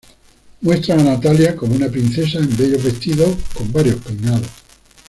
Muestran a Natalia como una princesa en bellos vestidos con varios peinados.